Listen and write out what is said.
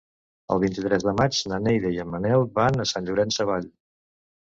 El vint-i-tres de maig na Neida i en Manel van a Sant Llorenç Savall.